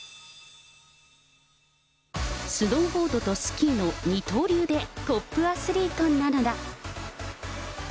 スノーボードとスキーの二刀流でトップアスリートなのだ。